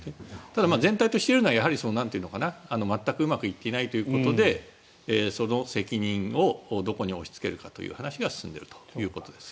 ただ、全体としていえるのは全くうまくいっていないということでその責任をどこに押しつけるかという話が進んでいるということです。